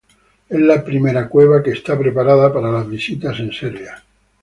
Es la primera cueva que está preparada para las visitas en Serbia.